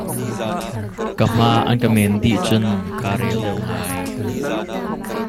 Ka hma an ka men dih cun kaa rel deuh ngai.